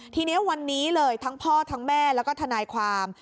ทีนี้วันนี้เลยทั้งพ่อทั้งแม่แล้วก็ทนายความ